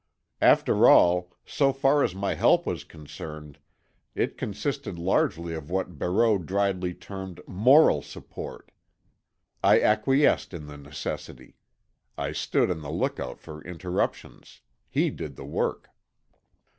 After all, so far as my help was concerned it consisted largely of what Barreau dryly termed, "moral support." I acquiesced in the necessity. I stood on the lookout for interruptions. He did the work.